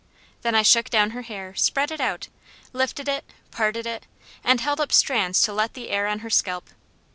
Then I shook down her hair, spread it out, lifted it, parted it, and held up strands to let the air on her scalp.